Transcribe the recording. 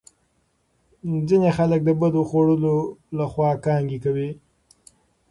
ځینې خلک د بدو خوړو له خوا کانګې کوي.